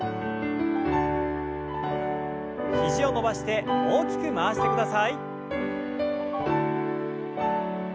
肘を伸ばして大きく回してください。